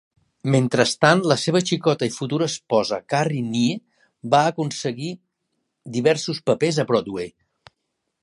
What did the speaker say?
Mentrestant, la seva xicota i futura esposa Carrie Nye va aconseguir diversos papers a Broadway.